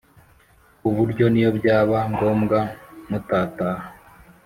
ku buryo niyo byaba ngombwa mutataha